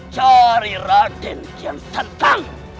cari radin yang setang